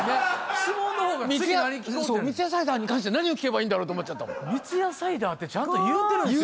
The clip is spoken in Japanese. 質問の方が次何聞こうってそう三ツ矢サイダーに関して何を聞けばいいんだろうと三ツ矢サイダーってちゃんと言うてるんですよ